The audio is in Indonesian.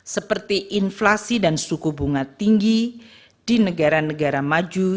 seperti inflasi dan suku bunga tinggi di negara negara maju